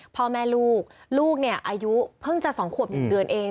พ่อแม่ลูกลูกเนี่ยอายุเพิ่งจะ๒ขวบ๑เดือนเอง